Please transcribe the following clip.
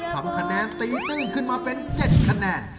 ทำคะแนนตีตึ้งขึ้นมาเป็น๗คะแนน